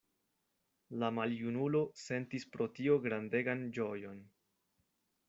La maljunulo sentis pro tio grandegan ĝojon.